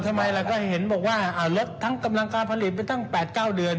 เราก็เห็นบอกว่าลดทั้งกำลังการผลิตไปตั้ง๘๙เดือน